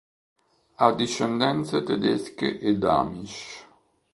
Ha discendenze tedesche ed amish.